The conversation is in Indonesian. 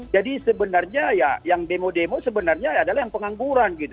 jadi sebenarnya ya yang demo demo sebenarnya adalah yang pengangguran gitu